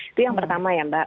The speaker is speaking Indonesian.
itu yang pertama ya mbak